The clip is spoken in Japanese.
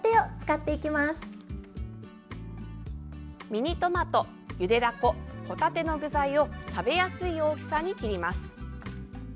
ミニトマト、ゆでだこホタテの具材を食べやすい大きさに切ります。